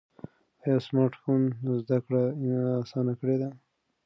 ایا سمارټ فون زده کړه اسانه کړې ده؟